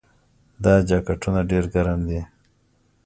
دا جاکټونه ډیر ګرم دي.